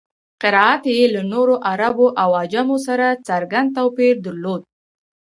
قرائت یې له نورو عربو او عجمو سره څرګند توپیر درلود.